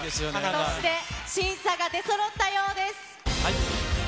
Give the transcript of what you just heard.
そして、審査が出そろったようです。